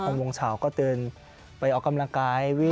๖โมงเช้าก็ตื่นไปออกกำลังกาย